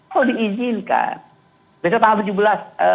kalau diizinkan besok tanggal tujuh belas